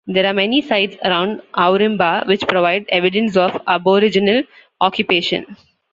There are many sites around Ourimbah which provide evidence of Aboriginal occupation.